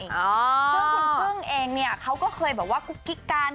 ซึ่งคุณกึ้งเองเนี่ยเขาก็เคยแบบว่ากุ๊กกิ๊กกัน